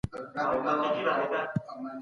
افراد د خپلو رايو په واسطه د هېواد راتلونکی جوړوي.